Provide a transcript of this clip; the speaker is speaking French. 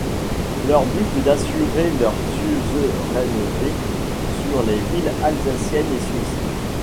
Leur but est d’assurer leur suzeraineté sur les villes alsaciennes et suisses.